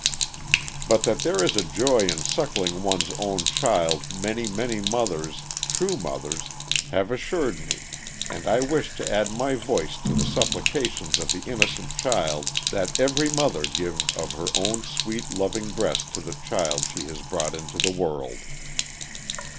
But that there is a joy in suckling one's own child many, many mothers true mothers have assured me, and I wish to add my voice to the supplications of the innocent child that every mother give of her own sweet, loving breast to the child she has brought into the world.